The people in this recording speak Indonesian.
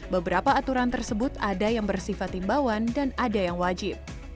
beberapa aturan tersebut ada yang bersifat timbawan dan ada yang wajib